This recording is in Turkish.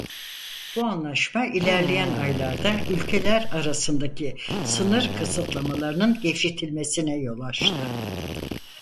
Bu anlaşma ilerleyen aylarda ülkeler arasındaki sınır kısıtlamalarının gevşetilmesine yol açtı.